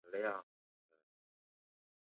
本站共有两层。